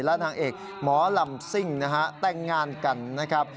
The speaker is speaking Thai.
และนางเอกหมอลำซิ่งนะฮะแต่งงานกันนะครับ